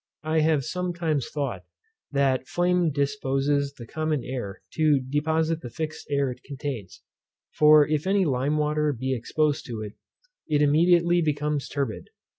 I have sometimes thought, that flame disposes the common air to deposit the fixed air it contains; for if any lime water be exposed to it, it immediately becomes turbid.